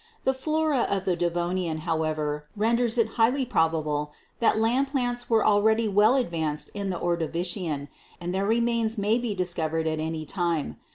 The flora of the Devonian, however, renders it highly probable that land plants were already well advanced in the Ordo vician, and their remains may be discovered at any time.